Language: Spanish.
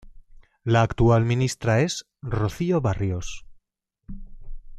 La actual ministra es Rocío Barrios.